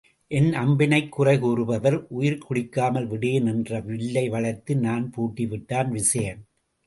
என் அம்பினைக் குறை கூறுபவர் உயிர் முடிக்காமல் விடேன் என்று வில்லை வளைத்து நாண் பூட்டி விட்டான் விசயன்.